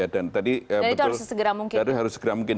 dan itu harus segera mungkin